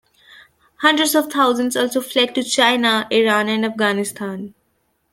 Hundreds of thousands also fled to China, Iran and Afghanistan.